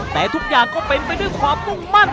แต่ทุกอย่างก็เป็นไปด้วยความมุ่งมั่น